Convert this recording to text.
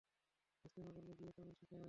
বুঝতে না পারলে গিয়ে তামিল শিখে আয়।